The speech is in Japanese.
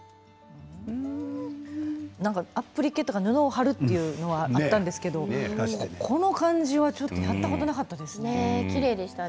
アップリケとか布を貼るというのはあったんですけどこの感じは、ちょっとやったこときれいでしたね。